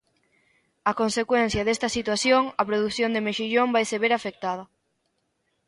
A consecuencia desta situación, a produción de mexillón vaise ver afectada.